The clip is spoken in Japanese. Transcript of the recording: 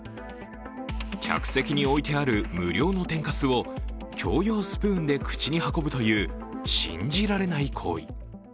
客席に置いてある無料の天かすを共用スプーンで口に運ぶという信じられない行為。